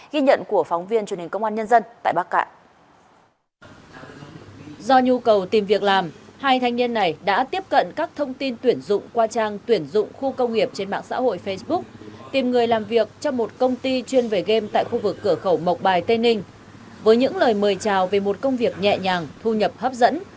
ghi nhận của phóng viên truyền hình công an